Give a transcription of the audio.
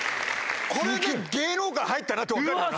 これで芸能界入ったなって分かるよな。